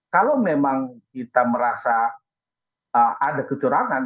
kalau memang kita merasa ada kecurangan